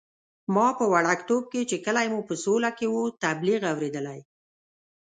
ما په وړکتوب کې چې کلی مو په سوله کې وو، تبلیغ اورېدلی.